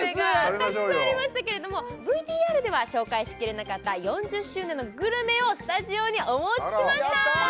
たくさんありましたけれどもＶＴＲでは紹介しきれなかった４０周年のグルメをスタジオにお持ちしました